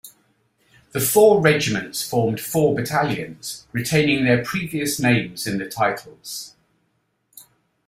The four regiments formed four battalions, retaining their previous names in the titles.